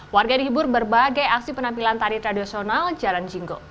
warga dihibur berbagai aksi penampilan tari tradisional jalan jinggo